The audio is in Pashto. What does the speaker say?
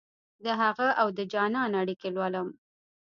دهغه اودجانان اړیکې لولم